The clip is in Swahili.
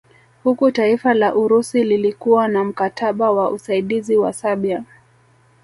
Huku taifa la Urusi lilikuwa na mkataba wa usaidizi na Serbia